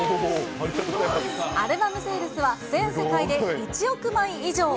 アルバムセールスは、全世界で１億枚以上。